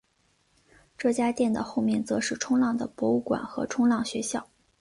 这家店的后面则是冲浪的博物馆和冲浪学校。